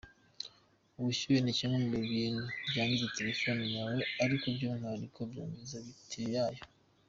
Ubushyuhe ni kimwe mu bintu byangiza telephone yawe ariko by’umwihariko byangiza batiri yayo.